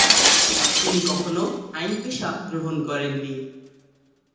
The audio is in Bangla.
তিনি কখনও আইন পেশা গ্রহণ করেননি।